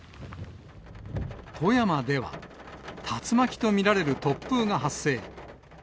富山では竜巻と見られる突風が発生。